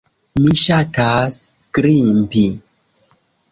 Mi ŝatas grimpi.